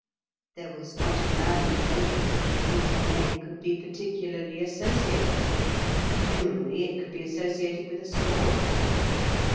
There was not a man in the neighbourhood with whom her name could be particularly associated. Generally, it could be associated with a score or so.